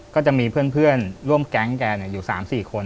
ก็จะมีเพื่อนร่วมแก๊งท์แกเนี่ยเนี่ยอยู่๓๔คน